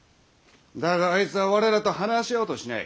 だがあいつは我らと話し合おうとしない。